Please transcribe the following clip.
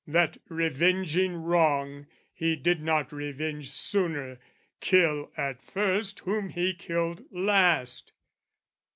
that, revenging wrong, He did not revenge sooner, kill at first Whom he killed last!